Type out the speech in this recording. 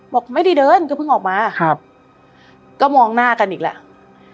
บอกไม่ได้เดินก็เพิ่งออกมาครับก็มองหน้ากันอีกแหละ